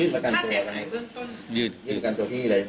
ค่าเสียหายหรือเรื่องต้น